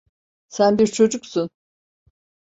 Sen bir çocuksun.